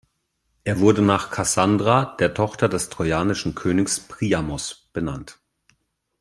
Er wurde nach Kassandra, der Tochter des trojanischen Königs Priamos, benannt.